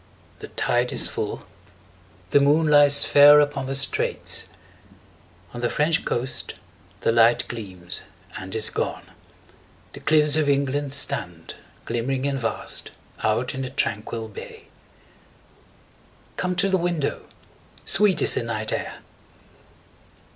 The tide is full, the moon lies fair Upon the straits; on the French coast the light Gleams and is gone; the cliffs of England stand, Glimmering and vast, out in the tranquil bay. 5 Come to the window, sweet is the night air!